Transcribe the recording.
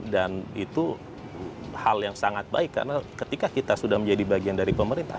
dan itu hal yang sangat baik karena ketika kita sudah menjadi bagian dari pemerintah